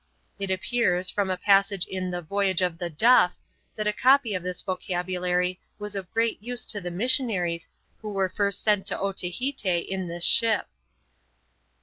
It appears, from a passage in the Voyage of the Duff, that a copy of this vocabulary was of great use to the missionaries who were first sent to Otaheite in this ship.